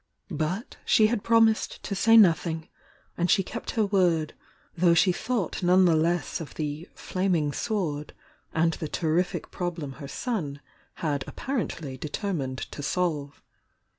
But she had promised to say nothing, and she kept her word, though she thought none the less of the "Flaming Sword" and the terrific problem her son had apparently determined to solve.